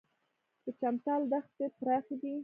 د چمتال دښتې پراخې دي